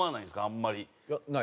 あんまり。